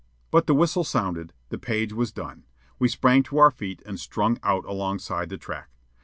But the whistle sounded. The page was done. We sprang to our feet and strung out alongside the track.